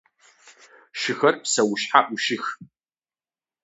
Шыхэр псэушъхьэ ӏушых.